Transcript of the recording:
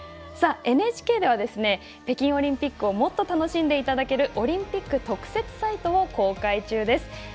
ＮＨＫでは北京オリンピックをもっと楽しんでいただけるオリンピック特設サイトを公開中です。